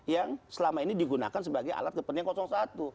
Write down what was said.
yang selama ini digunakan sebagai alat kepentingan satu